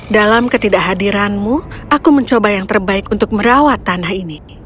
dalam ketidakhadiranmu aku mencoba yang terbaik untuk merawat tanah ini